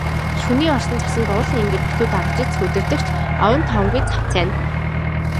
Шөнийн орсон цасанд уулын энгэр битүү дарагдаж, сүүдэртэх ч овон товонгүй цавцайна.